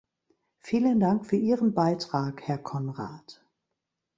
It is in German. Vielen Dank für Ihren Beitrag, Herr Konrad.